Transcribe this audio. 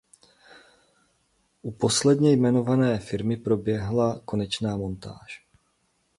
U posledně jmenované firmy proběhla konečná montáž.